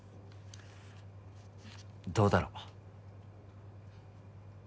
どうだろう